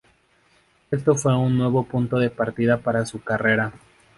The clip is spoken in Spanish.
Esto fue un nuevo punto de partida para su carrera.